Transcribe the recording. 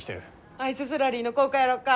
アイススラリーの効果やろか？